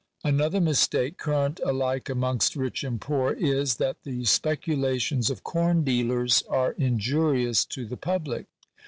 Another mistake current alike amongst rich and poor is, that the speculations of corn dealers are injurious to the public.